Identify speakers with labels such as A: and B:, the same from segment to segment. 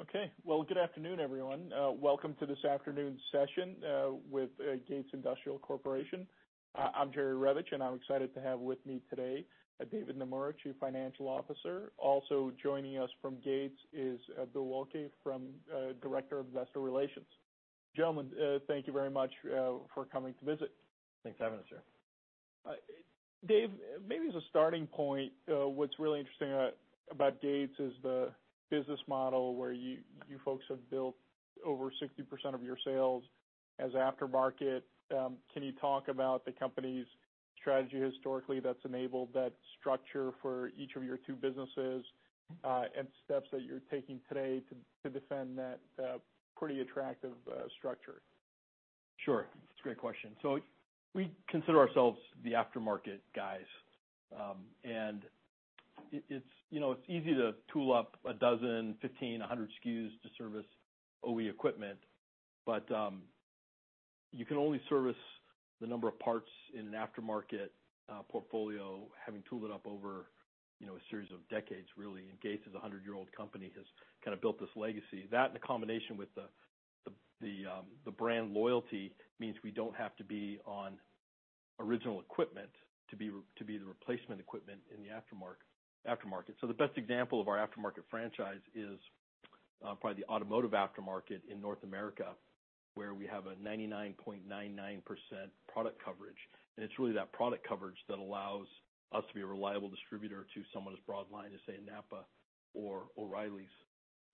A: Okay. Good afternoon, everyone. Welcome to this afternoon's session with Gates Industrial Corporation. I'm Jerry Revich, and I'm excited to have with me today David Naemura, Chief Financial Officer. Also joining us from Gates is Bill Waelke, Director of Investor Relations. Gentlemen, thank you very much for coming to visit.
B: Thanks for having us, sir.
A: Dave, maybe as a starting point, what's really interesting about Gates is the business model where you folks have built over 60% of your sales as aftermarket. Can you talk about the company's strategy historically that's enabled that structure for each of your two businesses and steps that you're taking today to defend that pretty attractive structure?
B: Sure. That's a great question. We consider ourselves the aftermarket guys, and it's easy to tool up a dozen, 1500 SKUs to service OE equipment, but you can only service the number of parts in an aftermarket portfolio having tooled it up over a series of decades, really. Gates is a 100-year-old company that has kind of built this legacy. That, in combination with the brand loyalty, means we don't have to be on original equipment to be the replacement equipment in the aftermarket. The best example of our aftermarket franchise is probably the automotive aftermarket in North America, where we have a 99.99% product coverage. It's really that product coverage that allows us to be a reliable distributor to someone as broadlined as, say, NAPA or O'Reilly's.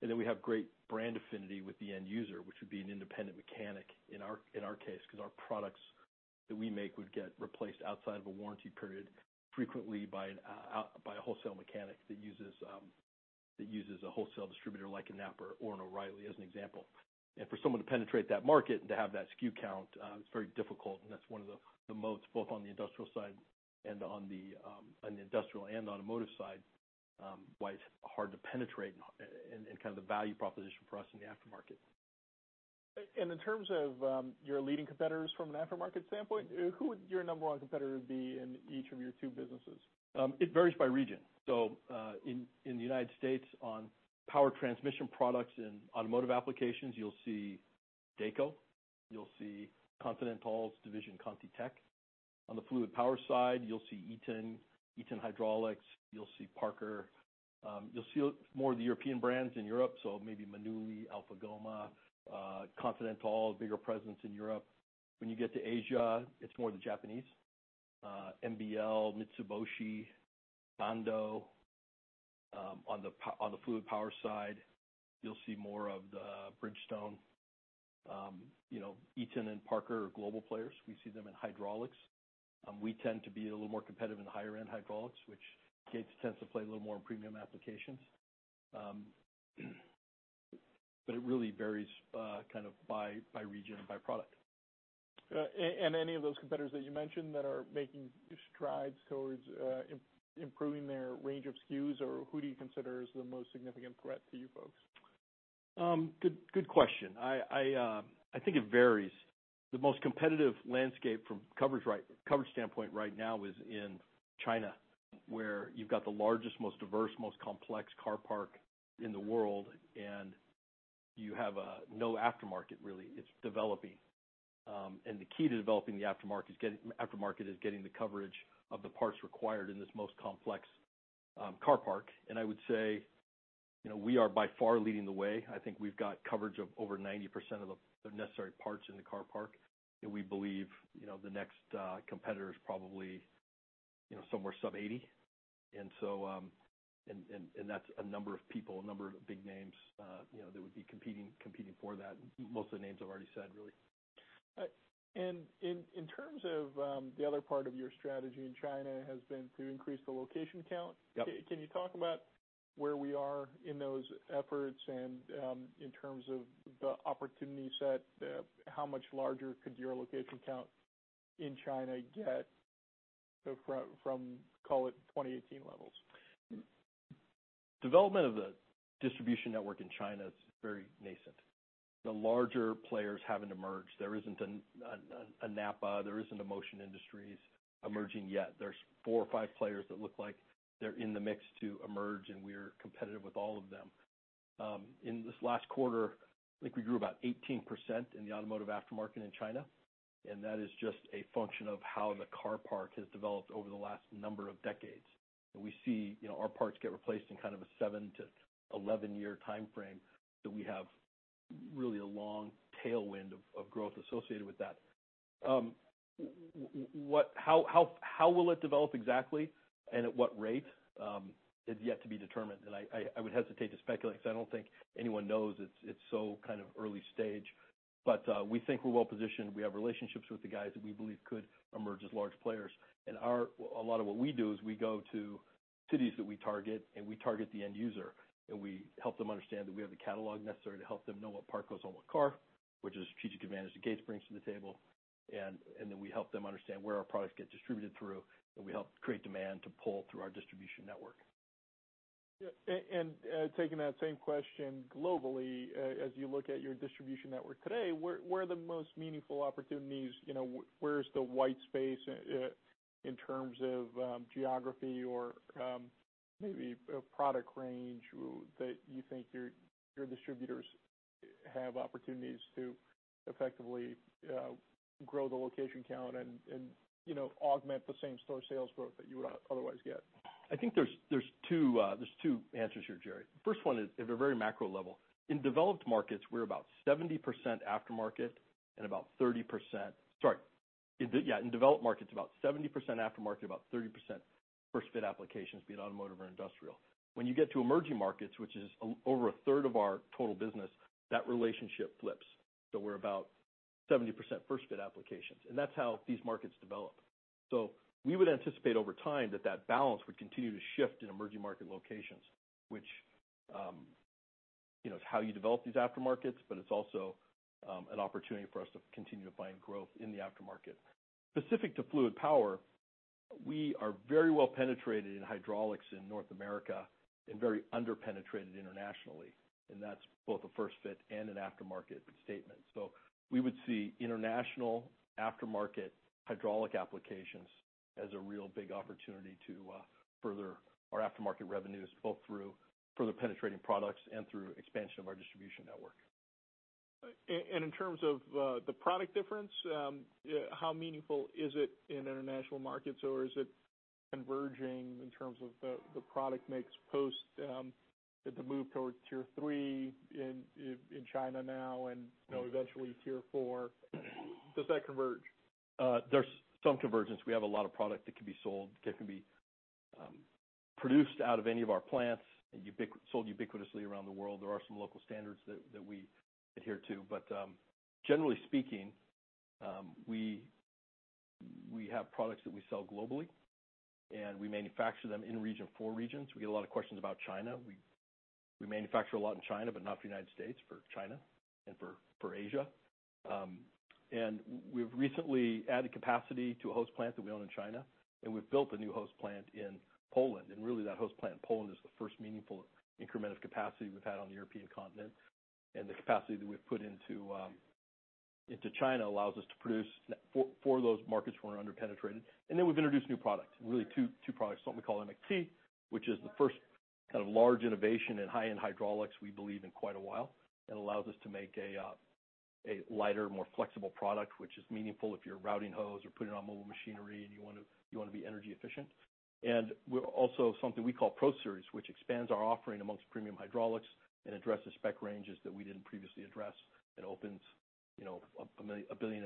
B: We have great brand affinity with the end user, which would be an independent mechanic in our case because our products that we make would get replaced outside of a warranty period frequently by a wholesale mechanic that uses a wholesale distributor like a NAPA or an O'Reilly as an example. For someone to penetrate that market and to have that SKU count, it's very difficult, and that's one of the moats, both on the industrial side and on the industrial and automotive side, why it's hard to penetrate and kind of the value proposition for us in the aftermarket.
A: In terms of your leading competitors from an aftermarket standpoint, who would your number one competitor be in each of your two businesses?
B: It varies by region. In the United States, on power transmission products and automotive applications, you'll see Dayco. You'll see Continental's division, ContiTech. On the fluid power side, you'll see Eaton, Eaton Hydraulics. You'll see Parker. You'll see more of the European brands in Europe, so maybe Manuli, Alpha Gomma, Continental, a bigger presence in Europe. When you get to Asia, it's more of the Japanese: MBL, Mitsuboshi, Kondo. On the fluid power side, you'll see more of the Bridgestone. Eaton and Parker are global players. We see them in hydraulics. We tend to be a little more competitive in the higher-end hydraulics, which Gates tends to play a little more in premium applications. It really varies kind of by region and by product.
A: Any of those competitors that you mentioned that are making strides towards improving their range of SKUs, or who do you consider is the most significant threat to you folks?
B: Good question. I think it varies. The most competitive landscape from a coverage standpoint right now is in China, where you've got the largest, most diverse, most complex car park in the world, and you have no aftermarket, really. It's developing. The key to developing the aftermarket is getting the coverage of the parts required in this most complex car park. I would say we are by far leading the way. I think we've got coverage of over 90% of the necessary parts in the car park. We believe the next competitor is probably somewhere sub-80. That's a number of people, a number of big names that would be competing for that. Most of the names I've already said, really.
A: In terms of the other part of your strategy in China, has been to increase the location count. Can you talk about where we are in those efforts? In terms of the opportunity set, how much larger could your location count in China get from, call it, 2018 levels?
B: Development of the distribution network in China is very nascent. The larger players have not emerged. There is not a NAPA. There is not a Motion Industries emerging yet. There are four or five players that look like they are in the mix to emerge, and we are competitive with all of them. In this last quarter, I think we grew about 18% in the automotive aftermarket in China, and that is just a function of how the car park has developed over the last number of decades. We see our parts get replaced in kind of a 7-11 year timeframe, so we have really a long tailwind of growth associated with that. How it will develop exactly and at what rate is yet to be determined? I would hesitate to speculate because I do not think anyone knows. It is so kind of early stage. We think we are well-positioned. We have relationships with the guys that we believe could emerge as large players. A lot of what we do is we go to cities that we target, and we target the end user. We help them understand that we have the catalog necessary to help them know what part goes on what car, which is a strategic advantage that Gates brings to the table. We help them understand where our products get distributed through, and we help create demand to pull through our distribution network.
A: Taking that same question globally, as you look at your distribution network today, where are the most meaningful opportunities? Where is the white space in terms of geography or maybe product range that you think your distributors have opportunities to effectively grow the location count and augment the same store sales growth that you would otherwise get?
B: I think there's two answers here, Jerry. The first one is at a very macro level. In developed markets, we're about 70% aftermarket and about 30%—sorry. Yeah, in developed markets, about 70% aftermarket, about 30% first-fit applications, be it automotive or industrial. When you get to emerging markets, which is over a third of our total business, that relationship flips. We're about 70% first-fit applications. That is how these markets develop. We would anticipate over time that that balance would continue to shift in emerging market locations, which is how you develop these aftermarkets, but it's also an opportunity for us to continue to find growth in the aftermarket. Specific to fluid power, we are very well-penetrated in hydraulics in North America and very under-penetrated internationally. That is both a first-fit and an aftermarket statement. We would see international aftermarket hydraulic applications as a real big opportunity to further our aftermarket revenues, both through further penetrating products and through expansion of our distribution network.
A: In terms of the product difference, how meaningful is it in international markets, or is it converging in terms of the product mix post the move towards tier three in China now and eventually tier four? Does that converge?
B: There's some convergence. We have a lot of product that can be sold, that can be produced out of any of our plants, sold ubiquitously around the world. There are some local standards that we adhere to. Generally speaking, we have products that we sell globally, and we manufacture them in region for regions. We get a lot of questions about China. We manufacture a lot in China, but not for the United States, for China and for Asia. We have recently added capacity to a hose plant that we own in China, and we have built a new hose plant in Poland. That hose plant in Poland is the first meaningful increment of capacity we have had on the European continent. The capacity that we have put into China allows us to produce for those markets where we are under-penetrated. We have introduced new products, really two products, something we call MXT, which is the first kind of large innovation in high-end hydraulics we believe in quite a while and allows us to make a lighter, more flexible product, which is meaningful if you're routing hose or putting it on mobile machinery and you want to be energy efficient. We are also introducing something we call Pro Series, which expands our offering amongst premium hydraulics and addresses spec ranges that we did not previously address and opens $1.5 billion-$2 billion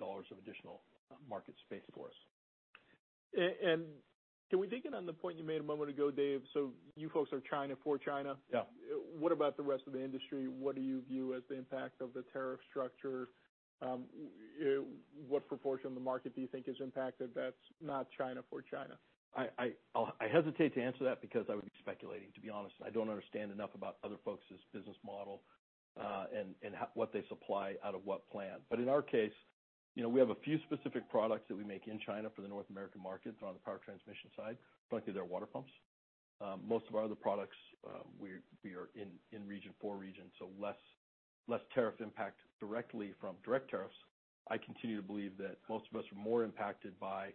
B: of additional market space for us.
A: Can we dig in on the point you made a moment ago, Dave? You folks are China for China. What about the rest of the industry? What do you view as the impact of the tariff structure? What proportion of the market do you think is impacted that's not China for China?
B: I hesitate to answer that because I would be speculating, to be honest. I do not understand enough about other folks' business model and what they supply out of what plant. In our case, we have a few specific products that we make in China for the North American market that are on the power transmission side. Frankly, they are water pumps. Most of our other products, we are in region for region, so less tariff impact directly from direct tariffs. I continue to believe that most of us are more impacted by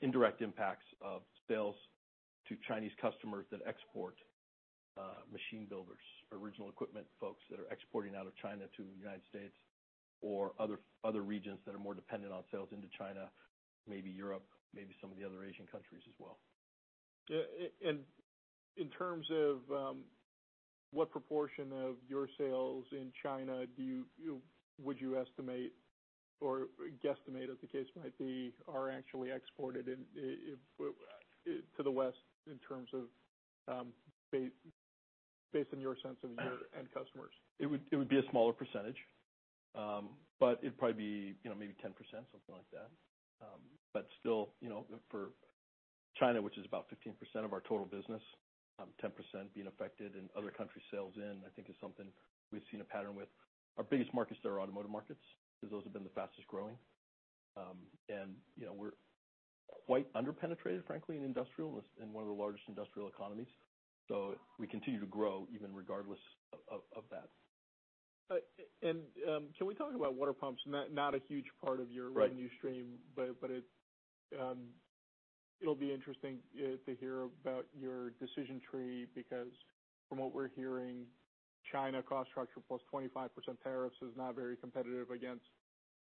B: indirect impacts of sales to Chinese customers that export machine builders, original equipment folks that are exporting out of China to the United States or other regions that are more dependent on sales into China, maybe Europe, maybe some of the other Asian countries as well.
A: In terms of what proportion of your sales in China would you estimate, or guesstimate if the case might be, are actually exported to the West in terms of based on your sense of your end customers?
B: It would be a smaller percentage, but it'd probably be maybe 10%, something like that. Still, for China, which is about 15% of our total business, 10% being affected in other countries' sales in, I think is something we've seen a pattern with. Our biggest markets are automotive markets because those have been the fastest growing. We're quite under-penetrated, frankly, in industrial, in one of the largest industrial economies. We continue to grow even regardless of that.
A: Can we talk about water pumps? Not a huge part of your revenue stream, but it'll be interesting to hear about your decision tree because from what we're hearing, China cost structure plus 25% tariffs is not very competitive against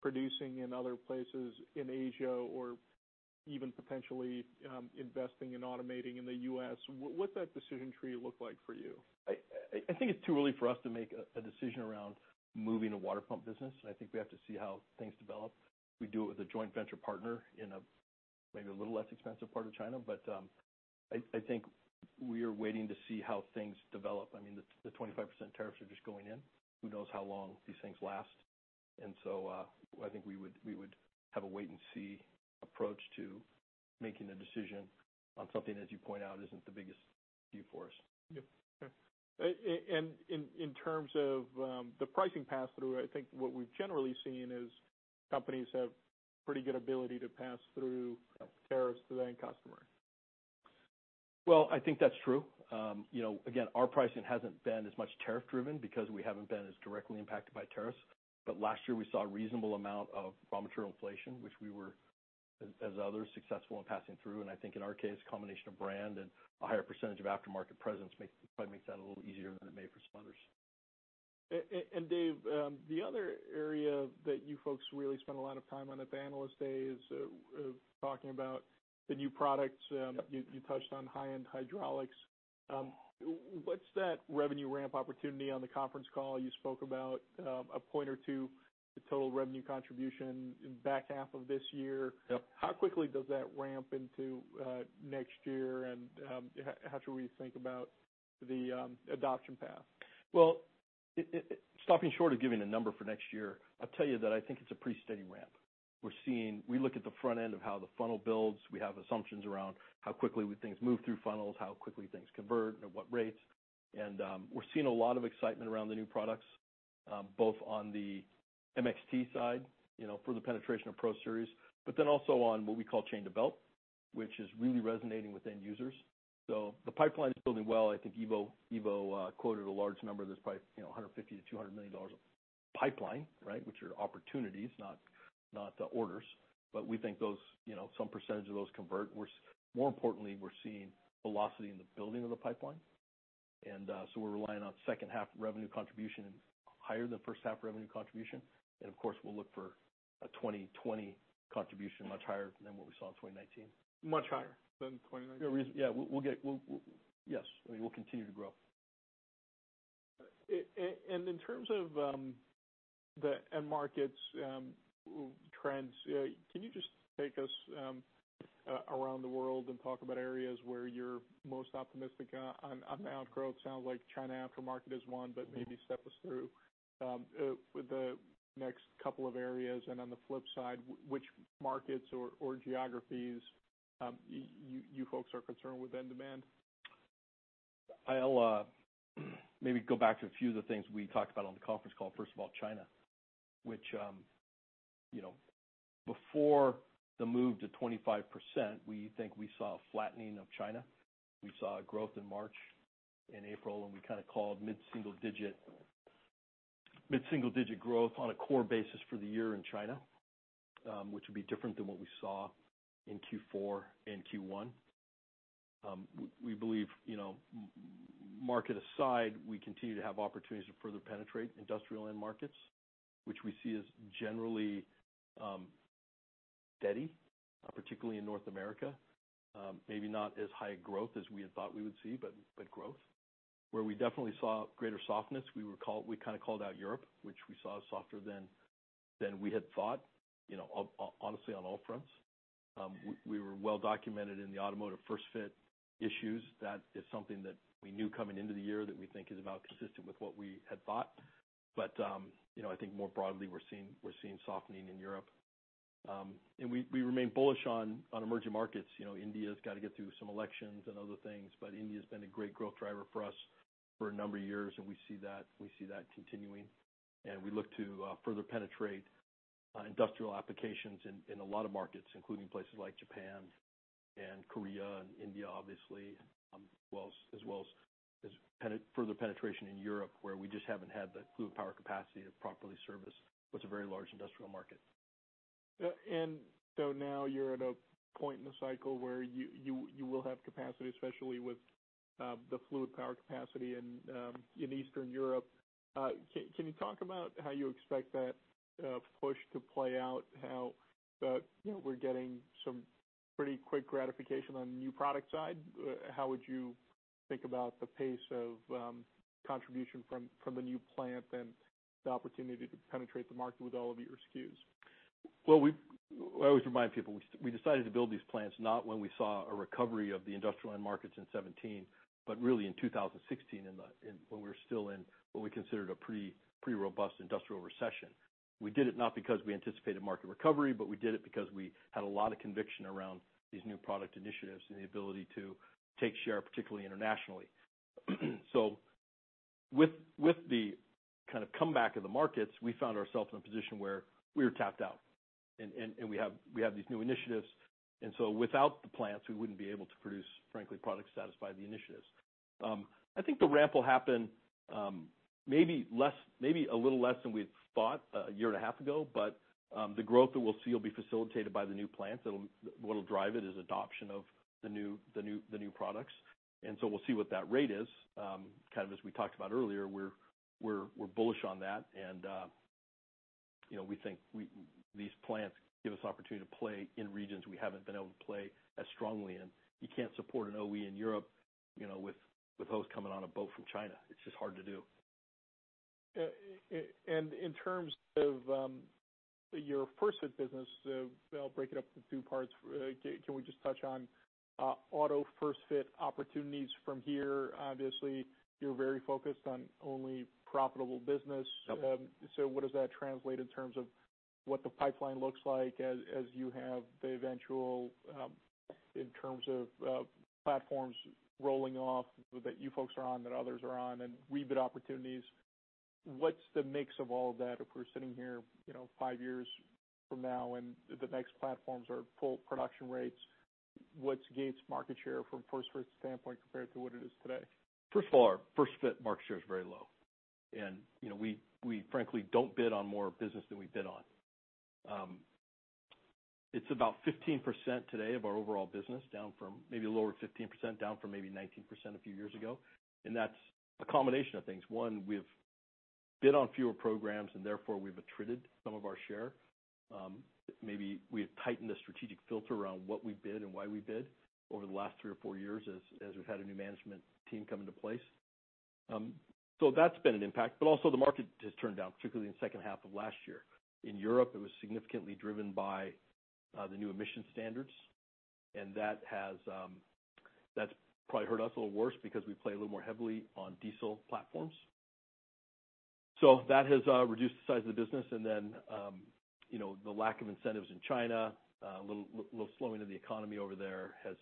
A: producing in other places in Asia or even potentially investing in automating in the US. What's that decision tree look like for you?
B: I think it's too early for us to make a decision around moving a water pump business. I think we have to see how things develop. We do it with a joint venture partner in maybe a little less expensive part of China. I think we are waiting to see how things develop. I mean, the 25% tariffs are just going in. Who knows how long these things last? I think we would have a wait-and-see approach to making a decision on something, as you point out, isn't the biggest view for us.
A: In terms of the pricing pass-through, I think what we've generally seen is companies have pretty good ability to pass through tariffs to the end customer.
B: I think that's true. Again, our pricing hasn't been as much tariff-driven because we haven't been as directly impacted by tariffs. Last year, we saw a reasonable amount of raw material inflation, which we were, as others, successful in passing through. I think in our case, a combination of brand and a higher percentage of aftermarket presence probably makes that a little easier than it may for some others.
A: Dave, the other area that you folks really spend a lot of time on at the analyst day is talking about the new products. You touched on high-end hydraulics. What's that revenue ramp opportunity on the conference call? You spoke about a point or two, the total revenue contribution in the back half of this year. How quickly does that ramp into next year? And how should we think about the adoption path?
B: Stopping short of giving a number for next year, I'll tell you that I think it's a pretty steady ramp. We look at the front end of how the funnel builds. We have assumptions around how quickly things move through funnels, how quickly things convert, and at what rates. We're seeing a lot of excitement around the new products, both on the MXT side for the penetration of Pro Series, but then also on what we call Chain to belt, which is really resonating with end users. The pipeline is building well. I think Ivo quoted a large number. There's probably $150 million-$200 million of pipeline, right, which are opportunities, not orders. We think some percentage of those convert. More importantly, we're seeing velocity in the building of the pipeline. We're relying on second-half revenue contribution and higher than first-half revenue contribution Of course, we'll look for a 2020 contribution much higher than what we saw in 2019.
A: Much higher than 2019.
B: Yeah. Yes. I mean, we'll continue to grow.
A: In terms of the end markets trends, can you just take us around the world and talk about areas where you're most optimistic on outgrowth? Sounds like China aftermarket is one, but maybe step us through the next couple of areas. On the flip side, which markets or geographies you folks are concerned with end demand?
B: I'll maybe go back to a few of the things we talked about on the conference call. First of all, China, which before the move to 25%, we think we saw a flattening of China. We saw growth in March and April, and we kind of called mid-single digit growth on a core basis for the year in China, which would be different than what we saw in Q4 and Q1. We believe, market aside, we continue to have opportunities to further penetrate industrial end markets, which we see as generally steady, particularly in North America. Maybe not as high a growth as we had thought we would see, but growth. Where we definitely saw greater softness, we kind of called out Europe, which we saw is softer than we had thought, honestly, on all fronts. We were well-documented in the automotive first-fit issues. That is something that we knew coming into the year that we think is about consistent with what we had thought. I think more broadly, we're seeing softening in Europe. We remain bullish on emerging markets. India's got to get through some elections and other things, but India's been a great growth driver for us for a number of years, and we see that continuing. We look to further penetrate industrial applications in a lot of markets, including places like Japan and Korea and India, obviously, as well as further penetration in Europe, where we just haven't had the fluid power capacity to properly service what's a very large industrial market.
A: You are at a point in the cycle where you will have capacity, especially with the fluid power capacity in Eastern Europe. Can you talk about how you expect that push to play out? How we're getting some pretty quick gratification on the new product side. How would you think about the pace of contribution from the new plant and the opportunity to penetrate the market with all of your SKUs?
B: I always remind people we decided to build these plants not when we saw a recovery of the industrial end markets in 2017, but really in 2016 when we were still in what we considered a pretty robust industrial recession. We did it not because we anticipated market recovery, but we did it because we had a lot of conviction around these new product initiatives and the ability to take share, particularly internationally. With the kind of comeback of the markets, we found ourselves in a position where we were tapped out. We have these new initiatives. Without the plants, we would not be able to produce, frankly, products to satisfy the initiatives. I think the ramp will happen maybe a little less than we thought a year and a half ago, but the growth that we will see will be facilitated by the new plants. What'll drive it is adoption of the new products. We'll see what that rate is. Kind of as we talked about earlier, we're bullish on that. We think these plants give us opportunity to play in regions we haven't been able to play as strongly in. You can't support an OE in Europe with hoses coming on a boat from China. It's just hard to do.
A: In terms of your first-fit business, I'll break it up into two parts. Can we just touch on auto first-fit opportunities from here? Obviously, you're very focused on only profitable business. So what does that translate in terms of what the pipeline looks like as you have the eventual in terms of platforms rolling off that you folks are on, that others are on, and rebid opportunities? What's the mix of all of that if we're sitting here five years from now and the next platforms are full production rates? What's Gates' market share from a first-fit standpoint compared to what it is today?
B: First of all, our first-fit market share is very low. We, frankly, do not bid on more business than we bid on. It is about 15% today of our overall business, down from maybe a lower 15%, down from maybe 19% a few years ago. That is a combination of things. One, we have bid on fewer programs, and therefore we have attrited some of our share. Maybe we have tightened the strategic filter around what we bid and why we bid over the last three or four years as we have had a new management team come into place. That has been an impact. Also, the market has turned down, particularly in the second half of last year. In Europe, it was significantly driven by the new emission standards. That has probably hurt us a little worse because we play a little more heavily on diesel platforms. That has reduced the size of the business. The lack of incentives in China, a little slowing of the economy over there has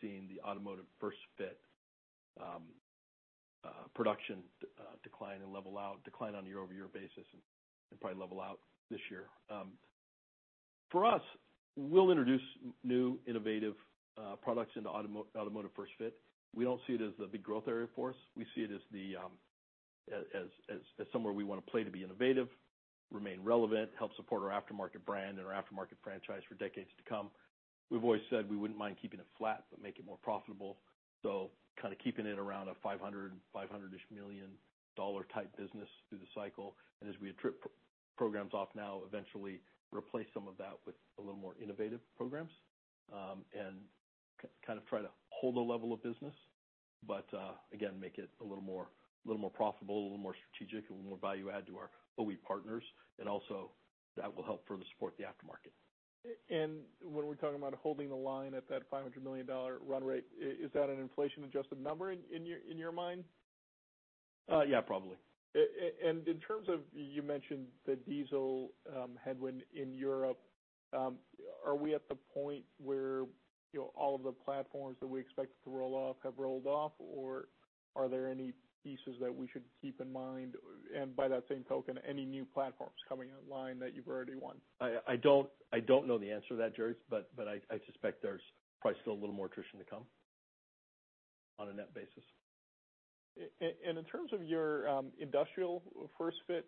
B: seen the automotive first-fit production decline and level out, decline on a year-over-year basis, and probably level out this year. For us, we'll introduce new innovative products into automotive first-fit. We don't see it as the big growth area for us. We see it as somewhere we want to play to be innovative, remain relevant, help support our aftermarket brand and our aftermarket franchise for decades to come. We've always said we wouldn't mind keeping it flat, but make it more profitable. Kind of keeping it around a $500 million type business through the cycle. As we trip programs off now, eventually replace some of that with a little more innovative programs and kind of try to hold a level of business, but again, make it a little more profitable, a little more strategic, a little more value add to our OE partners. Also, that will help further support the aftermarket.
A: When we're talking about holding the line at that $500 million run rate, is that an inflation-adjusted number in your mind?
B: Yeah, probably.
A: In terms of you mentioned the diesel headwind in Europe, are we at the point where all of the platforms that we expect to roll off have rolled off, or are there any pieces that we should keep in mind? By that same token, any new platforms coming online that you've already won?
B: I don't know the answer to that, Jerry, but I suspect there's probably still a little more attrition to come on a net basis.
A: In terms of your industrial first-fit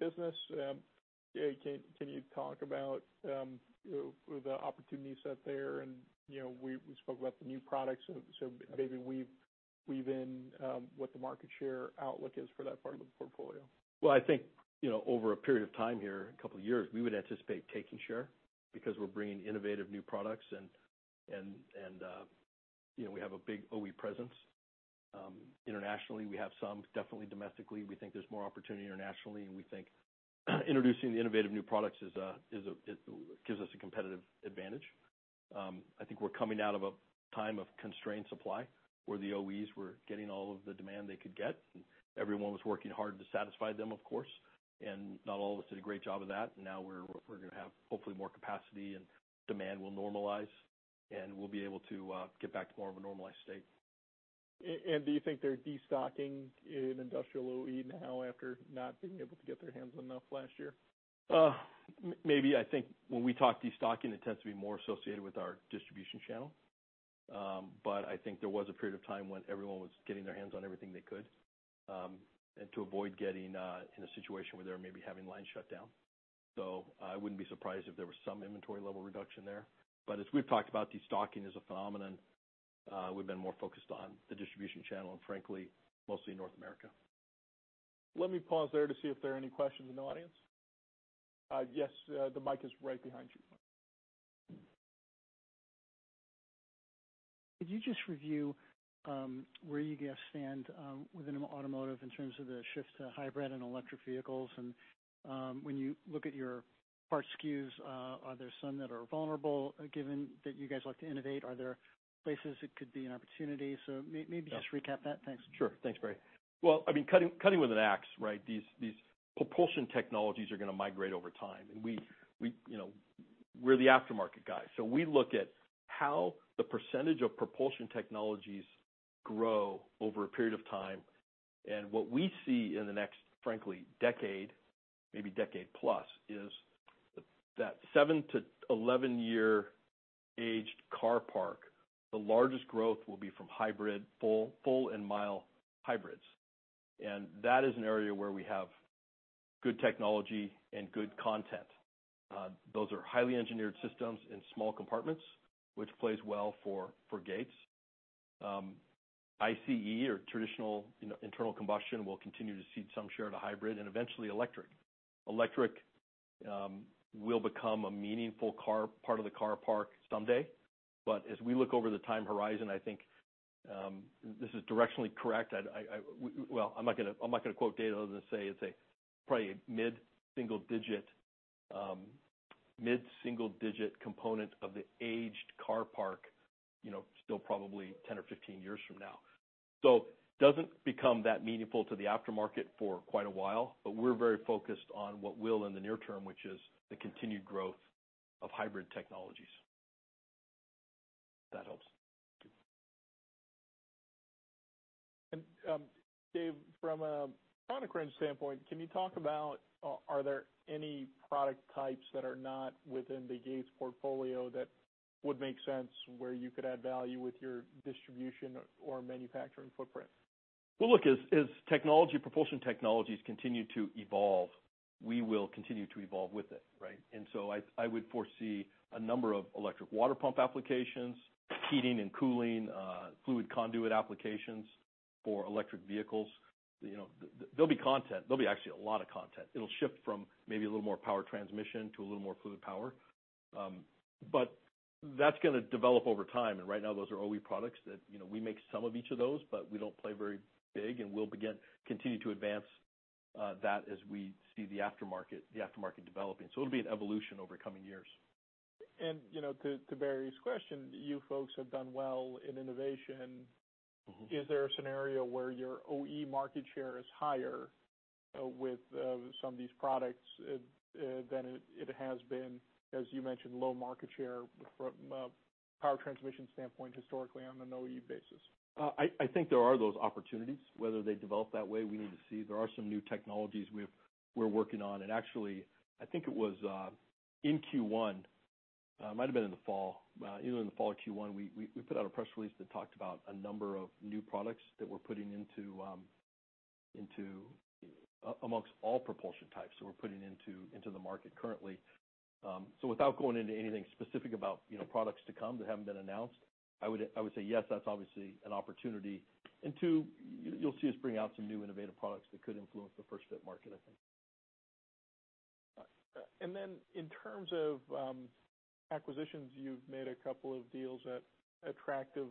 A: business, can you talk about the opportunities set there? We spoke about the new products, so maybe weave in what the market share outlook is for that part of the portfolio.
B: I think over a period of time here, a couple of years, we would anticipate taking share because we're bringing innovative new products, and we have a big OE presence internationally. We have some definitely domestically. We think there's more opportunity internationally. We think introducing the innovative new products gives us a competitive advantage. I think we're coming out of a time of constrained supply where the OEs were getting all of the demand they could get, and everyone was working hard to satisfy them, of course. Not all of us did a great job of that. Now we're going to have hopefully more capacity, and demand will normalize, and we'll be able to get back to more of a normalized state.
A: Do you think they're destocking an industrial OE now after not being able to get their hands on enough last year?
B: Maybe. I think when we talk destocking, it tends to be more associated with our distribution channel. I think there was a period of time when everyone was getting their hands on everything they could to avoid getting in a situation where they were maybe having lines shut down. I would not be surprised if there was some inventory level reduction there. As we have talked about, destocking is a phenomenon. We have been more focused on the distribution channel and, frankly, mostly North America.
A: Let me pause there to see if there are any questions in the audience. Yes, the mic is right behind you. Could you just review where you guys stand within automotive in terms of the shift to hybrid and electric vehicles? When you look at your part SKUs, are there some that are vulnerable given that you guys like to innovate? Are there places it could be an opportunity? Maybe just recap that. Thanks.
B: Sure. Thanks, Barry. I mean, cutting with an axe, right? These propulsion technologies are going to migrate over time. We are the aftermarket guy. We look at how the percentage of propulsion technologies grow over a period of time. What we see in the next, frankly, decade, maybe decade plus, is that 7- to 11-year-aged car park, the largest growth will be from hybrid, full, and mild hybrids. That is an area where we have good technology and good content. Those are highly engineered systems in small compartments, which plays well for Gates. ICE, or traditional internal combustion, will continue to cede some share to hybrid and eventually electric. Electric will become a meaningful part of the car park someday. As we look over the time horizon, I think this is directionally correct. I'm not going to quote data other than say it's probably a mid-single digit component of the aged car park, still probably 10 or 15 years from now. It doesn't become that meaningful to the aftermarket for quite a while, but we're very focused on what will in the near term, which is the continued growth of hybrid technologies. If that helps.
A: Dave, from a KwanaCrunch standpoint, can you talk about are there any product types that are not within the Gates portfolio that would make sense where you could add value with your distribution or manufacturing footprint?
B: Look, as propulsion technologies continue to evolve, we will continue to evolve with it, right? I would foresee a number of electric water pump applications, heating and cooling, fluid conduit applications for electric vehicles. There'll be content. There'll be actually a lot of content. It'll shift from maybe a little more power transmission to a little more fluid power. That's going to develop over time. Right now, those are OE products that we make some of each of those, but we don't play very big. We'll continue to advance that as we see the aftermarket developing. It'll be an evolution over coming years.
A: To Barry's question, you folks have done well in innovation. Is there a scenario where your OE market share is higher with some of these products than it has been, as you mentioned, low market share from a power transmission standpoint historically on an OE basis?
B: I think there are those opportunities. Whether they develop that way, we need to see. There are some new technologies we're working on. Actually, I think it was in Q1, it might have been in the fall, even in the fall of Q1, we put out a press release that talked about a number of new products that we're putting into amongst all propulsion types that we're putting into the market currently. Without going into anything specific about products to come that haven't been announced, I would say yes, that's obviously an opportunity. You will see us bring out some new innovative products that could influence the first-fit market, I think.
A: In terms of acquisitions, you've made a couple of deals at attractive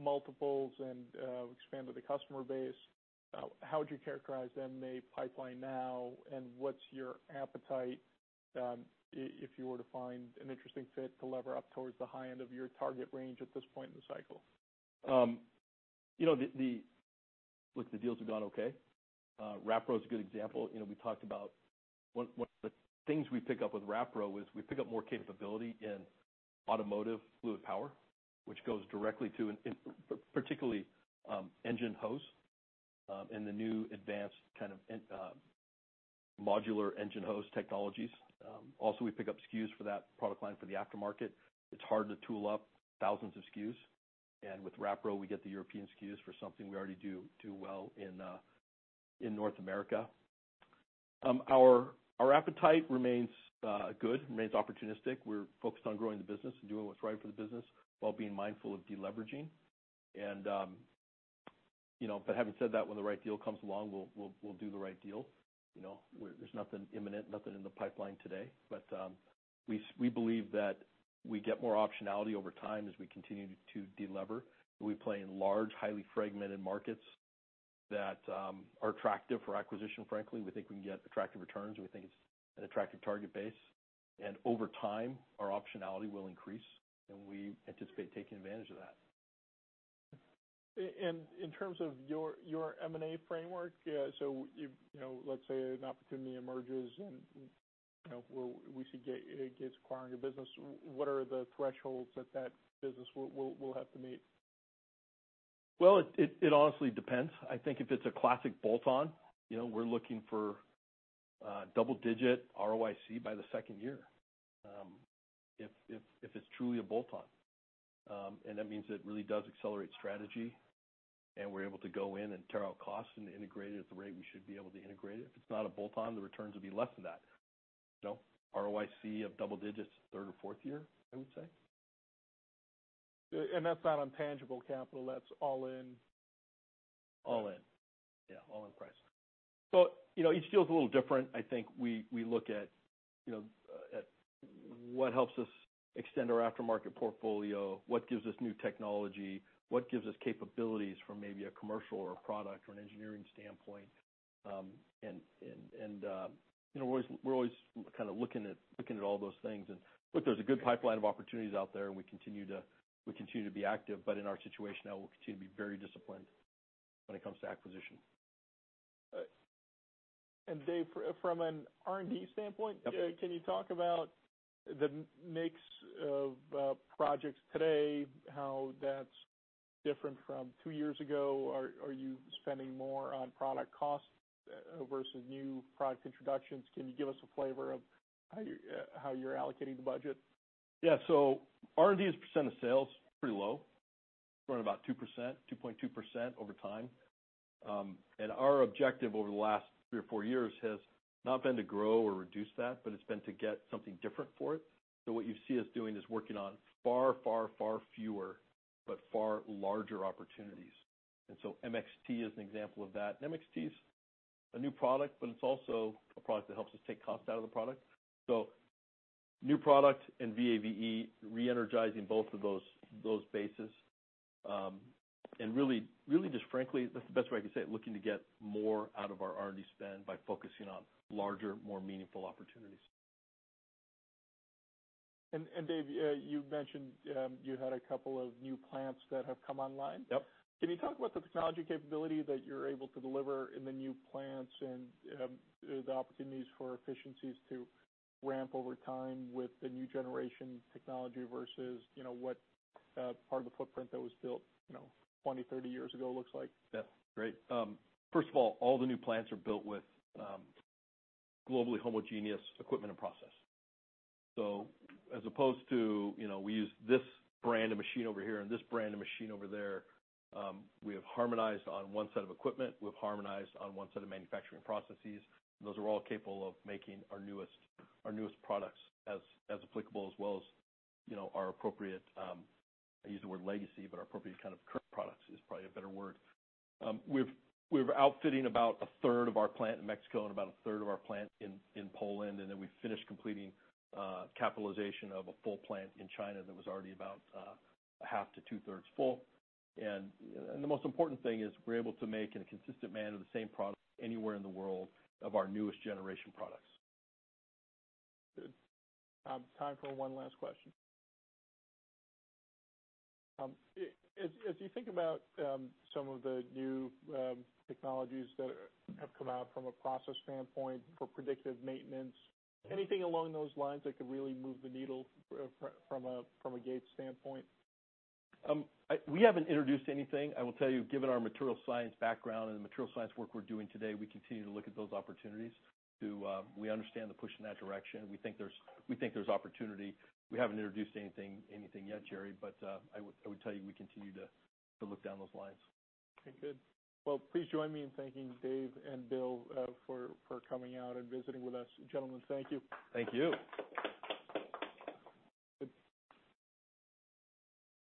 A: multiples and expanded the customer base. How would you characterize them, the pipeline now, and what's your appetite if you were to find an interesting fit to lever up towards the high end of your target range at this point in the cycle?
B: Look, the deals have gone okay. Rapro is a good example. We talked about one of the things we pick up with Rapro is we pick up more capability in automotive fluid power, which goes directly to particularly engine hose and the new advanced kind of modular engine hose technologies. Also, we pick up SKUs for that product line for the aftermarket. It's hard to tool up thousands of SKUs. With Rapro, we get the European SKUs for something we already do well in North America. Our appetite remains good, remains opportunistic. We're focused on growing the business and doing what's right for the business while being mindful of deleveraging. Having said that, when the right deal comes along, we'll do the right deal. There's nothing imminent, nothing in the pipeline today. We believe that we get more optionality over time as we continue to deliver. We play in large, highly fragmented markets that are attractive for acquisition, frankly. We think we can get attractive returns. We think it's an attractive target base. Over time, our optionality will increase, and we anticipate taking advantage of that.
A: In terms of your M&A framework, let's say an opportunity emerges and we see Gates acquiring a business, what are the thresholds that that business will have to meet?
B: It honestly depends. I think if it's a classic bolt-on, we're looking for double-digit ROIC by the second year if it's truly a bolt-on. That means it really does accelerate strategy, and we're able to go in and tear out costs and integrate it at the rate we should be able to integrate it. If it's not a bolt-on, the returns will be less than that. ROIC of double digits, third or fourth year, I would say.
A: That is not on tangible capital. That is all in?
B: All in. Yeah, all in price. Each deal is a little different. I think we look at what helps us extend our aftermarket portfolio, what gives us new technology, what gives us capabilities from maybe a commercial or a product or an engineering standpoint. We're always kind of looking at all those things. Look, there's a good pipeline of opportunities out there, and we continue to be active. In our situation now, we'll continue to be very disciplined when it comes to acquisition.
A: Dave, from an R&D standpoint, can you talk about the mix of projects today, how that's different from two years ago? Are you spending more on product costs versus new product introductions? Can you give us a flavor of how you're allocating the budget?
B: Yeah. R&D's percent of sales is pretty low. We're at about 2%, 2.2% over time. Our objective over the last three or four years has not been to grow or reduce that, but it's been to get something different for it. What you see us doing is working on far, far, far fewer, but far larger opportunities. MXT is an example of that. MXT's a new product, but it's also a product that helps us take costs out of the product. New product and VAVE, reenergizing both of those bases. Really, just frankly, that's the best way I can say it, looking to get more out of our R&D spend by focusing on larger, more meaningful opportunities.
A: Dave, you mentioned you had a couple of new plants that have come online. Can you talk about the technology capability that you're able to deliver in the new plants and the opportunities for efficiencies to ramp over time with the new generation technology versus what part of the footprint that was built 20, 30 years ago looks like?
B: Yeah. Great. First of all, all the new plants are built with globally homogeneous equipment and process. As opposed to we use this brand of machine over here and this brand of machine over there, we have harmonized on one set of equipment. We've harmonized on one set of manufacturing processes. Those are all capable of making our newest products as applicable as well as our appropriate—I use the word legacy, but our appropriate kind of current products is probably a better word. We're outfitting about a third of our plant in Mexico and about a third of our plant in Poland. We finished completing capitalization of a full plant in China that was already about half to two-thirds full. The most important thing is we're able to make in a consistent manner the same product anywhere in the world of our newest generation products.
A: Good. Time for one last question. As you think about some of the new technologies that have come out from a process standpoint for predictive maintenance, anything along those lines that could really move the needle from a Gates standpoint?
B: We haven't introduced anything. I will tell you, given our material science background and the material science work we're doing today, we continue to look at those opportunities. We understand the push in that direction. We think there's opportunity. We haven't introduced anything yet, Jerry, but I would tell you we continue to look down those lines.
A: Okay. Good. Please join me in thanking Dave and Bill for coming out and visiting with us. Gentlemen, thank you.
B: Thank you.